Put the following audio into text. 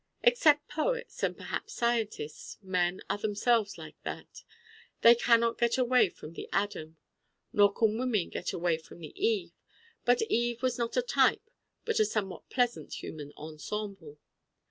Except poets and perhaps scientists men are themselves like that. They cannot get away from the Adam. Nor can women get away from the Eve. But Eve was not a type but a somewhat pleasant human ensemble.